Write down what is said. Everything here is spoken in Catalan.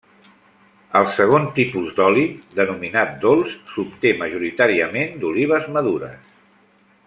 El segon tipus d'oli denominat dolç, s'obté majoritàriament d'olives madures.